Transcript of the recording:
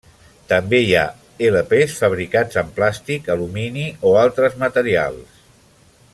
També hi ha elapés fabricats en plàstic, alumini o altres materials.